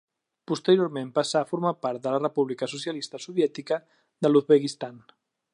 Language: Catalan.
Posteriorment passà a formar part de la República Socialista Soviètica de l'Uzbekistan.